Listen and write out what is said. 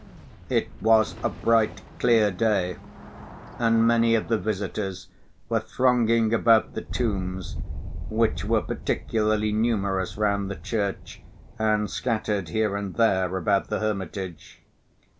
It was a bright, clear day, and many of the visitors were thronging about the tombs, which were particularly numerous round the church and scattered here and there about the hermitage.